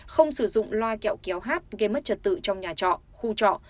không sử dụng loa kẹo kéo hát gây mất trật tự trong nhà trọ khu trọ